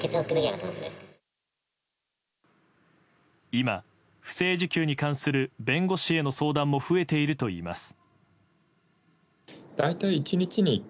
今、不正受給に関する弁護士への相談も増えているといいます。